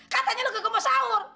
katanya lu ke gemba saur